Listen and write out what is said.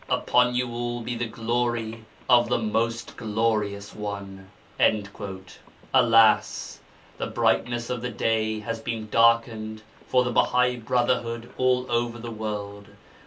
'Upon you all be the Glory of the Most Glorious One!' Alas! the brightness of the day has been darkened for the Bahai Brotherhood all over the world.